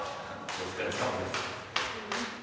お疲れさまです。